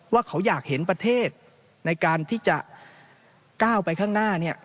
ว่าเขาอยากเห็นประเทศในการที่จะก้าวไปข้างหน้า